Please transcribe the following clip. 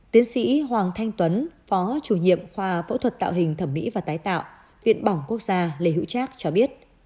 tiến sĩ hoàng thanh tuấn phó chủ nhiệm khoa phẫu thuật tạo hình thẩm mỹ và tái tạo viện bỏng quốc gia lê hữu trác cho biết